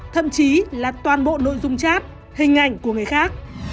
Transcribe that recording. thậm chí là toàn bộ nội dung chat hình ảnh của người khác